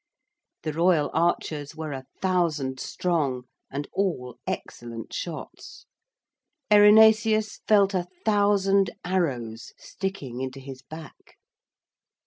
The Royal Archers were a thousand strong and all excellent shots. Erinaceus felt a thousand arrows sticking into his back.